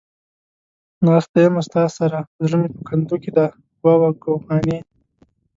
ناسته يمه ستا سره ، زړه مې په کندو کې دى ، واوا گوخانې.